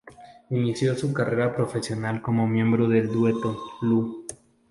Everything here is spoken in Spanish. Inició su carrera profesional como miembro del dueto Lu.